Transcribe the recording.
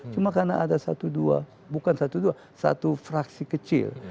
cuma karena ada satu dua bukan satu dua satu fraksi kecil